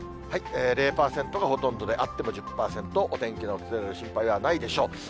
０％がほとんどで、あっても１０％、お天気の崩れる心配はないでしょう。